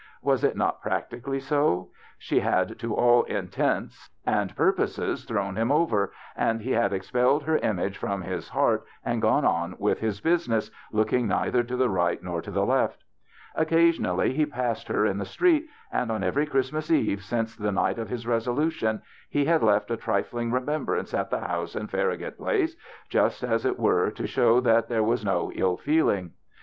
Was it not practically so ? She had to all intents and o X H H o >• Q <: s y UJ U o > y u t/1 O s H O w z O THE BACHELORS CHRISTMAS 27 purposes thrown liim over, and he had expelled her image from his heart and gone on with his business, looking neither to the right nor to the left. Occasionally he passed her in the street, and on every Christmas eve since the night of his resolution, he had left a trifling remembrance at the house in Far ragut Place, just, as it were, to show that there was no ill feeling.